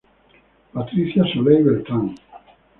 Patricia Soley-Beltrán.